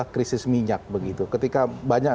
krisis minyak begitu ketika banyak